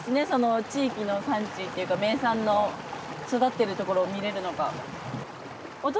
その地域の産地っていうか名産の育ってるところを見れるのが。